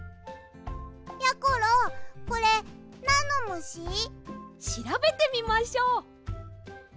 やころこれなんのむし？しらべてみましょう。